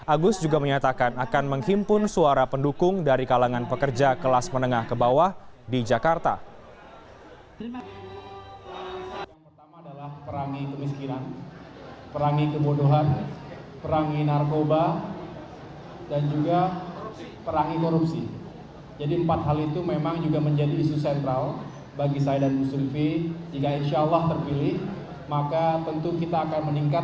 agus juga menyatakan akan menghimpun suara pendukung dari kalangan pekerja kelas menengah ke bawah di jakarta